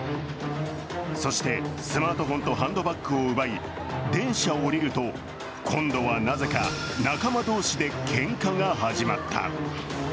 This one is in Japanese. そしてスマートフォンとハンドバッグを奪い電車を降りると、今度はなぜか仲間同士でけんかが始まった。